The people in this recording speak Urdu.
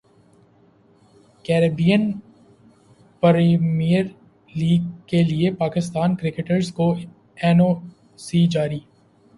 کیریبیئن پریمیئر لیگ کیلئے پاکستانی کرکٹرز کو این او سی جاری